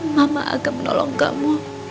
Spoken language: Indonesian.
mama akan menolong kamu